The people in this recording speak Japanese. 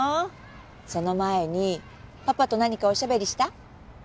その前にパパと何かおしゃべりした？